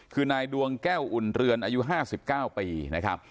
คือนายดวงแก้วอุ่นเรือนอายุ๕๙ปีนะครับ